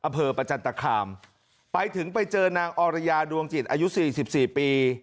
อำเภอประจันตคามไปถึงไปเจอนางอรยาดวงจิตอายุ๔๔ปี